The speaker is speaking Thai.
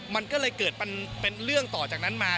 มันก็เลยเกิดเป็นเรื่องต่อจากนั้นมา